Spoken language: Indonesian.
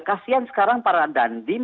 kasian sekarang para dandim